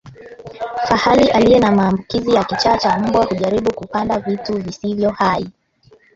Fahali aliye na maambukizi ya kichaa cha mbwa hujaribu kupanda vitu visivyo hai